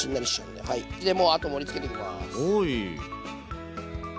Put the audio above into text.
でもうあと盛りつけていきます。